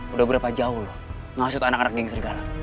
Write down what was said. udah berapa jauh lo ngasut anak anak geng serigala